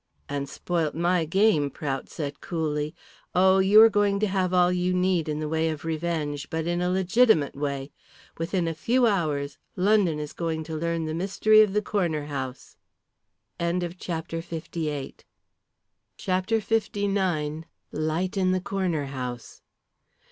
"And spoilt my game," Prout said coolly. "Oh, you are going to have all you need in the way of revenge, but in a legitimate way. Within a few hours London is going to learn the mystery of the Corner House." CHAPTER LIX. LIGHT IN THE CORNER HOUSE.